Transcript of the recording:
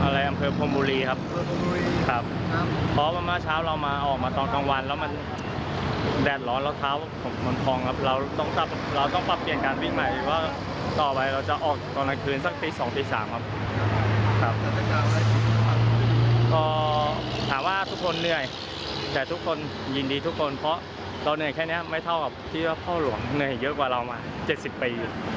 เราจะออกตอนกลางคืนสักตีสองตีสามครับครับก็ถามว่าทุกคนเหนื่อยแต่ทุกคนยินดีทุกคนเพราะเราเหนื่อยแค่นี้ไม่เท่ากับที่ว่าพ่อหลวงเหนื่อยเยอะกว่าเรามาเจ็ดสิบปี